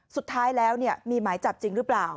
สุดท้ายแล้วมีหมายจับจริงหรือเปล่า